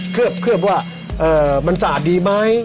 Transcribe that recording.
เคลือบว่ามันสะอาดดีไหม